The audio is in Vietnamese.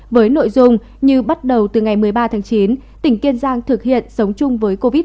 với nội dung như bắt đầu từ ngày một mươi ba tháng chín tỉnh kiên giang thực hiện sống chung với covid một mươi